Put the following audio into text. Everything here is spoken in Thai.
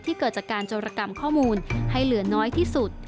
เกิดจากการจรกรรมข้อมูลให้เหลือน้อยที่สุด